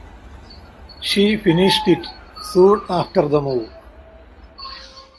She finished it soon after the move.